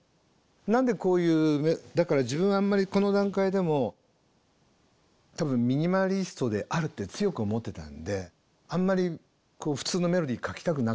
なんでこういうだから自分はあんまりこの段階でも多分ミニマリストであるって強く思ってたんであんまり普通のメロディー書きたくなかった。